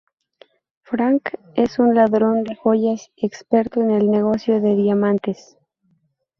Frank es un ladrón de joyas experto en el negocio de diamantes.